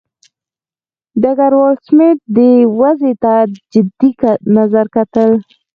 ډګروال سمیت دې وضع ته جدي نظر کتل.